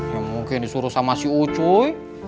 ya mungkin disuruh sama si ucuy